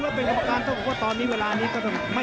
และเป็นกรรมการค่ะ